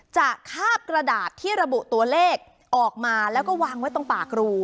คาบกระดาษที่ระบุตัวเลขออกมาแล้วก็วางไว้ตรงปากรู